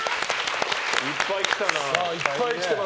いっぱい来たな。